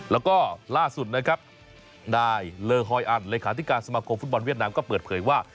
แล้วก็ล่าสุดนะครับนายเลอร์ฮอยอันเลขาธิการสมาคมฟุตบอลเวียดนามก็เปิดเผยว่า